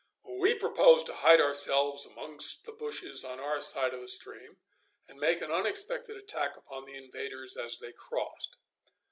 We proposed to hide ourselves amongst the bushes on our side of the stream, and make an unexpected attack upon the invaders as they crossed.